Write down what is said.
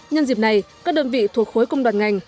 nhân dịp này các đơn vị thuộc khối công đoàn ngành